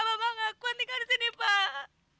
mama gak kuat tinggal di sini pak